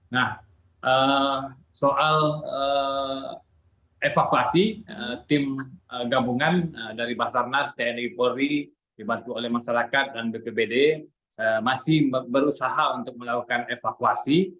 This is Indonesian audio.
nah soal evakuasi tim gabungan dari basarnas tni polri dibantu oleh masyarakat dan bpbd masih berusaha untuk melakukan evakuasi